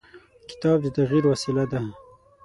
کتاب د تغیر وسیله ده.